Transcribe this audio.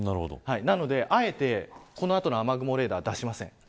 なので、あえてこの後の雨雲レーダーは出しません。